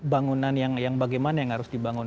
bangunan yang bagaimana yang harus kita lakukan